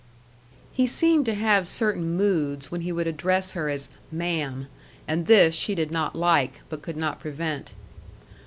He seemed to have certain moods when he would address her as "ma'am," and this she did not like, but could not prevent.